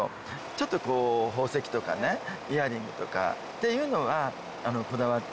ちょっと宝石とかイヤリングとかっていうのはこだわって。